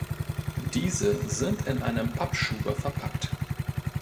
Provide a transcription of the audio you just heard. Diese sind in einem Pappschuber verpackt.